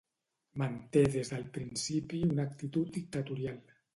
Manté des del principi una actitud dictatorial.